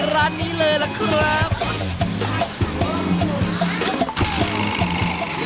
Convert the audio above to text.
ร้านนี้เลยเข้ามาจากน้ำไป